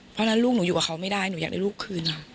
เพราะฉะนั้นลูกหนูอยู่กับเขาไม่ได้หนูอยากได้ลูกคืนค่ะ